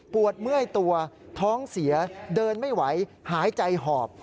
เมื่อยตัวท้องเสียเดินไม่ไหวหายใจหอบ